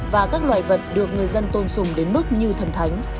và các loài vật được người dân tôn sùng đến mức như thần thánh